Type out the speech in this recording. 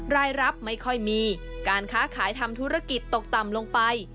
รายรับไม่ค่อยมีการค้าขายทำธุรกิจตกต่ำลงไป